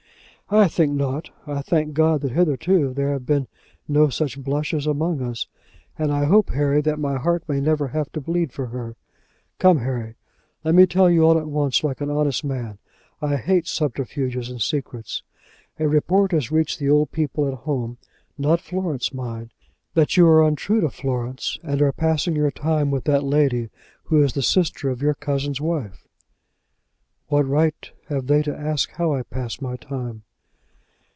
"I think not. I thank God that hitherto there have been no such blushes among us. And I hope, Harry, that my heart may never have to bleed for her. Come, Harry, let me tell you all at once like an honest man. I hate subterfuges and secrets. A report has reached the old people at home, not Florence, mind, that you are untrue to Florence, and are passing your time with that lady who is the sister of your cousin's wife." "What right have they to ask how I pass my time?"